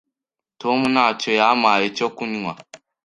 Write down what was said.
Tom ntacyo yampaye cyo kunywa.